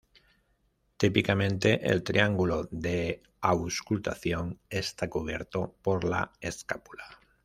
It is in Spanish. Típicamente, el Triángulo de Auscultación está cubierto por la escápula.